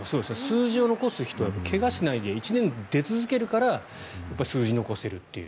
数字を残す人は怪我をしないで１年出続けるから数字を残せるっていう。